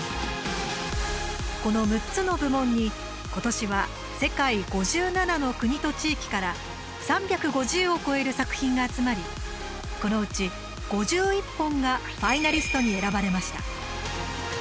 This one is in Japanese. この６つの部門に、今年は世界５７の国と地域から３５０を超える作品が集まりこのうち５１本がファイナリストに選ばれました。